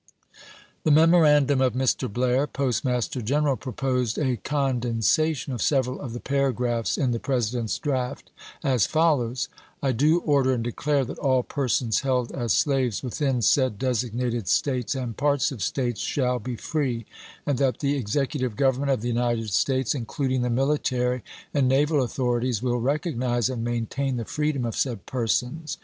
The memorandum of Mr. Blair, Postmaster Gen Dec, 1862. eral, proposed a condensation of several of the paragraphs in the President's draft, as follows :" I do order and declare that all persons held as slaves within said designated States and parts of States shall be free ; and that the Executive G overnment of the United States, including the military and naval authorities, will recognize and maintain the freedom of said persons.